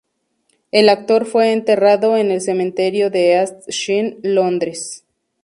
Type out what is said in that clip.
El actor fue enterrado en el Cementerio de East Sheen, Londres.